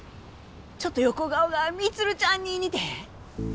ちょっと横顔が充ちゃんに似てへん？